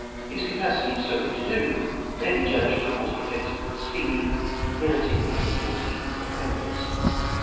His capacity so to do may be judged from what he effected with the Speedy, mounting only fourteen 4 pounders.